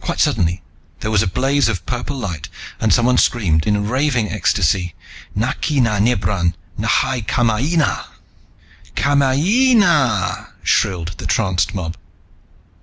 Quite suddenly there was a blaze of purple light and someone screamed in raving ecstasy: "Na ki na Nebran n'hai Kamaina!" "Kamayeeeeeeeeeeeeeeeeena!" shrilled the tranced mob.